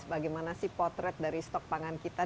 bagaimana sih potret dari stok pangan kita